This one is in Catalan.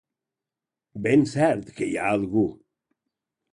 Ben cert que hi ha algú